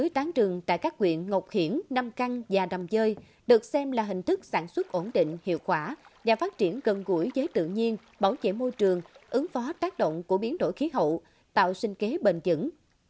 tại các quyện ngọc hiển năm căng và đầm dơi được xem là hình thức sản xuất ổn định hiệu quả và phát triển gần gũi giới tự nhiên bảo vệ môi trường ứng phó tác động của biến đổi khí hậu tạo sinh kế bền dẫn